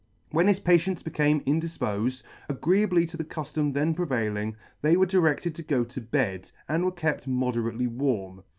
When his patients became indifpofed, agreeably to the culfom then prevailing, they were directed to go to bed, and were kept moderately warm.